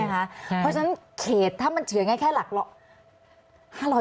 เพราะฉะนั้นเขตถ้ามันเฉยอย่างไรแค่หลักร้อย